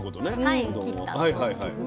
はい切ったということですね。